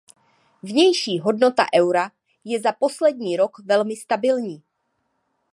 Vnější hodnota eura je za poslední rok velmi stabilní.